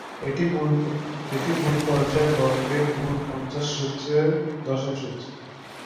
এটি মূলপর্যায় বর্গের মূল পঞ্চাশ সূত্রের দশম সূত্র।